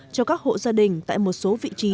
cho các hộ gia đình tại một số vị trí